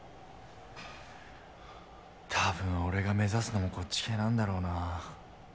多分俺が目指すのもこっち系なんだろうなぁ。